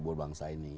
buat bangsa ini